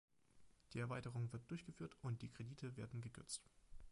Die Erweiterung wird durchgeführt, und die Kredite werden gekürzt.